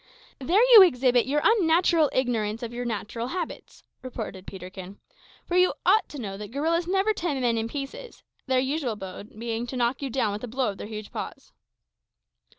"There you exhibit your unnatural ignorance of your own natural habits," retorted Peterkin; "for you ought to know that gorillas never tear men in pieces their usual mode being to knock you down with a blow of their huge paws."